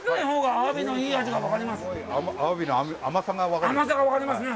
アワビの甘さが分かりますよね。